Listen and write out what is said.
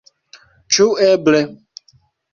Ĉu eble!